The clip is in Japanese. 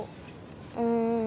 うん。